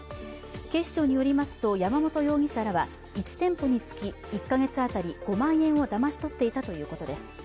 警視庁によりますと、山本容疑者らは１店舗につき１カ月当たり５万円をだまし取っていたということです。